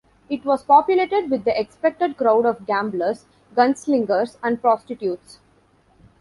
It was populated with the expected crowd of gamblers, gunslingers, and prostitutes.